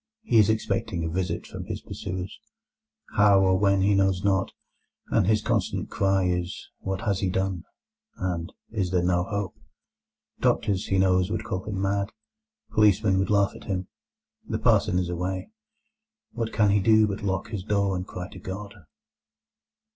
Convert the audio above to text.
He is expecting a visit from his pursuers—how or when he knows not—and his constant cry is "What has he done?" and "Is there no hope?" Doctors, he knows, would call him mad, policemen would laugh at him. The parson is away. What can he do but lock his door and cry to God?